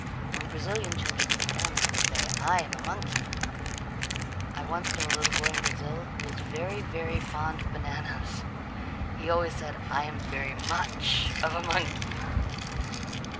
When Brazilian children eat bananas they say, "I am a monkey." I once knew a little boy in Brazil who was very, very fond of bananas. He always said, "I am very much of a monkey."